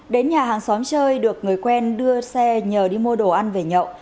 đến nhà hàng xóm chơi được người quen đưa xe nhờ đi mua đồ ăn về nhậu